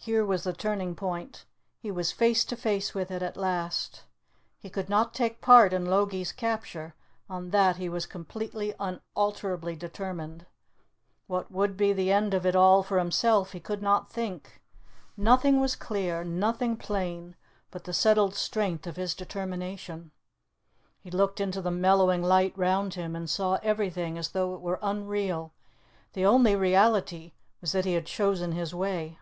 Here was the turning point; he was face to face with it at last. He could not take part in Logie's capture; on that he was completely, unalterably determined. What would be the end of it all for himself he could not think. Nothing was clear, nothing plain, but the settled strength of his determination. He looked into the mellowing light round him, and saw everything as though it were unreal; the only reality was that he had chosen his way.